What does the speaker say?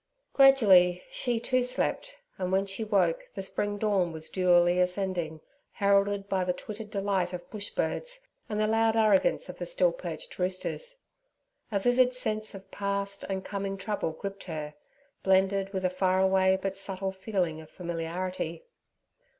Gradually she, too, slept, and when she woke the spring dawn was dewily ascending, heralded by the twittered delight of bush birds and the loud arrogance of the still perched roosters. A vivid sense of past and coming trouble gripped her, blended with a far away but subtle feeling of familiarity.